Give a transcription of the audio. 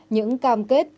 những cam kết